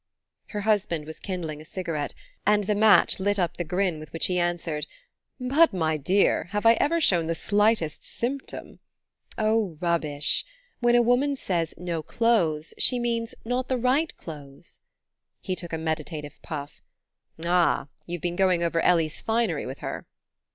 Her husband was kindling a cigarette, and the match lit up the grin with which he answered: "But, my dear, have I ever shown the slightest symptom ?" "Oh, rubbish! When a woman says: 'No clothes,' she means: 'Not the right clothes.'" He took a meditative puff. "Ah, you've been going over Ellie's finery with her."